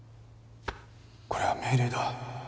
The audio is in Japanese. これは命令だ